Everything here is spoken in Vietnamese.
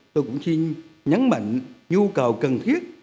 tôi cũng xin nhấn mạnh nhu cầu cần thiết